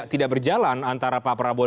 tidak berjalan antara pak prabowo